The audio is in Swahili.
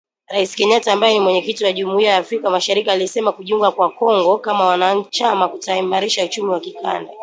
Rais Kenyatta ambaye ni Mwenyekiti wa Jumuiya ya Afrika mashariki alisema kujiunga kwa Kongo kama mwanachama kutaimarisha uchumi wa kikanda.